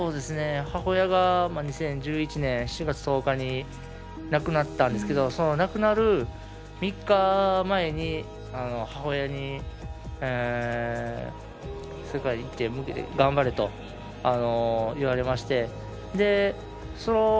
母親が２０１１年４月１０日に亡くなったんですけど亡くなる３日前に母親に、世界に向けて頑張れと言われまして。